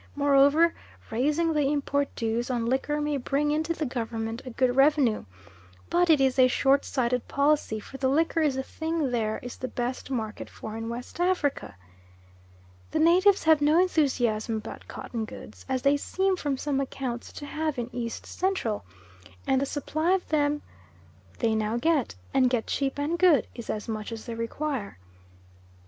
Moreover, raising the import dues on liquor may bring into the Government a good revenue; but it is a short sighted policy for the liquor is the thing there is the best market for in West Africa. The natives have no enthusiasm about cotton goods, as they seem from some accounts to have in East Central, and the supply of them they now get, and get cheap and good, is as much as they require.